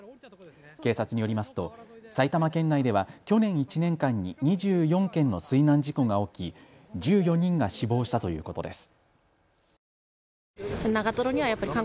警察によりますと、埼玉県内では去年１年間に２４件の水難事故が起き１４人が死亡したということです。